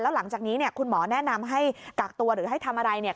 หลังจากนี้เนี่ยคุณหมอแนะนำให้กากตัวหรือให้ทำอะไรเนี่ย